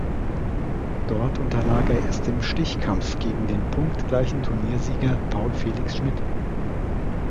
Dort unterlag er erst im Stichkampf gegen den punktgleichen Turniersieger Paul Felix Schmidt.